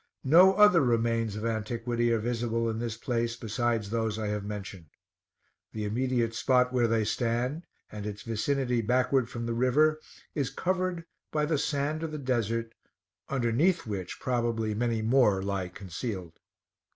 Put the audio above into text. No other remains of antiquity are visible in this place besides those I have mentioned. The immediate spot where they stand, and its vicinity backward from the river, is covered by the sand of the Desert, underneath which probably many more lie concealed.